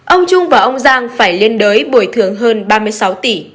ông trung và ông giang phải liên đới bồi thường hơn ba mươi sáu tỷ